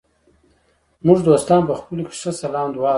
موږ دوستان په خپلو کې ښه سلام دعا لرو.